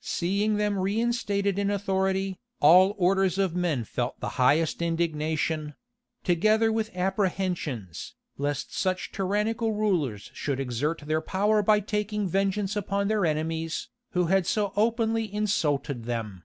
Seeing them reinstated in authority, all orders of men felt the highest indignation; together with apprehensions, lest such tyrannical rulers should exert their power by taking vengeance upon their enemies, who had so openly insulted them.